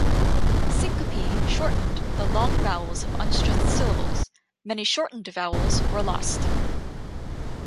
Syncope shortened the long vowels of unstressed syllables; many shortened vowels were lost.